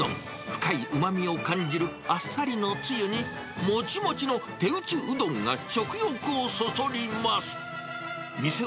深いうまみを感じるあっさりのつゆに、もちもちの手打ちうどんが食欲をそそります。